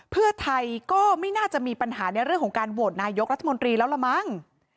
เพื่อไทยก็ไม่น่าจะมีปัญหาในเรื่องของการโหวตนายกรัฐมนตรีแล้วละมั้ง